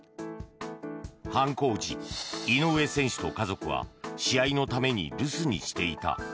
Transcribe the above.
犯行時、井上選手と家族は試合のために留守にしていた。